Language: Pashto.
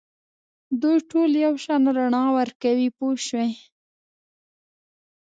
دوی ټول یو شان رڼا ورکوي پوه شوې!.